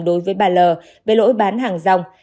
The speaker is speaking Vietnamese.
đối với bà l về lỗi bán hàng rong